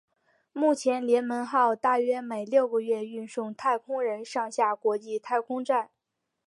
目前联盟号大约每六个月运送太空人上下国际太空站。